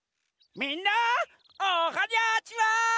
みんなおはにゃちは！